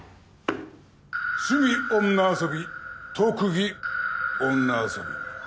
「趣味女遊び特技女遊び」